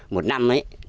một năm ấy